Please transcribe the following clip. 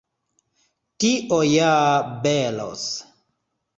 Tio ja belos!